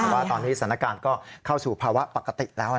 แต่ว่าตอนนี้สถานการณ์ก็เข้าสู่ภาวะปกติแล้ว